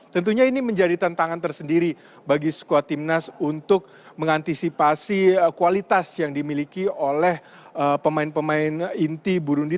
tentunya ini menjadi tantangan tersendiri bagi squad timnas untuk mengantisipasi kualitas yang dimiliki oleh pemain pemain inti burundi